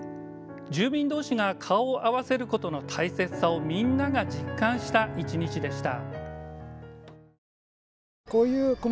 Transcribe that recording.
住民同士が顔を合わせることの大切さをみんなが実感した１日でした。